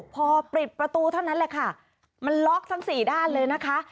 พอปิดประตูเท่านั้นแหละค่ะมันล็อกทั้งสี่ด้านเลยนะคะ